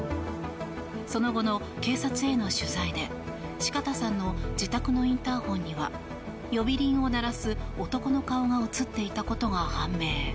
その後の警察への取材で四方さんの自宅のインターホンには呼び鈴を鳴らす男の顔が映っていたことが判明。